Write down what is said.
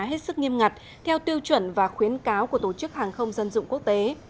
hết sức nghiêm ngặt theo tiêu chuẩn và khuyến cáo của tổ chức hàng không dân dụng quốc tế